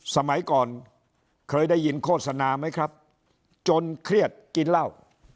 สมัยก่อนเคยได้ยินโฆษณาไหมครับจนเครียดกินเหล้า